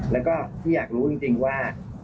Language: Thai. แล้วก็พี่อยากรู้จริงว่า